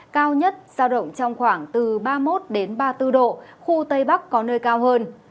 cao nhất giao động trong khoảng từ ba mươi một ba mươi bốn độ khu tây bắc có nơi cao hơn